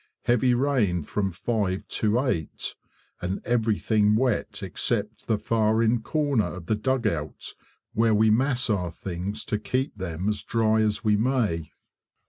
Heavy rain from 5 to 8, and everything wet except the far in corner of the dugout, where we mass our things to keep them as dry as we may.